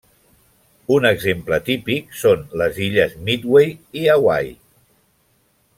Un exemple típic són les illes Midway i Hawaii.